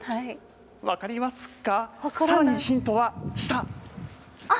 分かりますか？